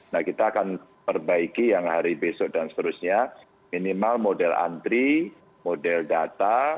nah kita akan perbaiki yang hari besok dan seterusnya minimal model antri model data